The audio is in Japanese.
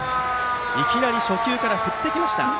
いきなり初球から振ってきました。